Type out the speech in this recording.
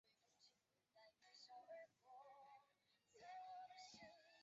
常与另一种有序的线性资料集合伫列相提并论。